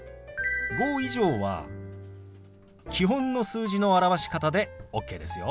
５以上は基本の数字の表し方でＯＫですよ。